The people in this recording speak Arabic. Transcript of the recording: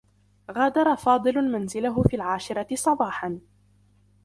غادر فاضل منزله في العاشرة صباحا.